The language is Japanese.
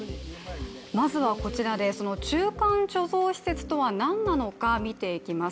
まずはこちらで中間貯蔵施設とはなんなのか見ていきます。